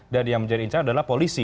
dan yang menjadi incana adalah polisi